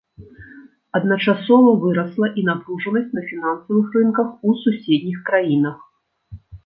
Адначасова вырасла і напружанасць на фінансавых рынках у суседніх краінах.